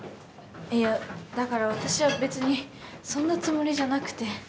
いやだから私は別にそんなつもりじゃなくて。